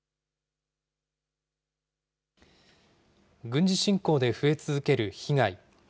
軍事侵攻で増え続ける被害。